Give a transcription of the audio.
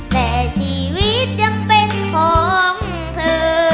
แต่ชีวิตยังเป็นของเธอ